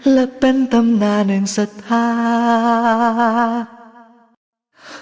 และเป็นธรรมนาหนึ่งสัทธา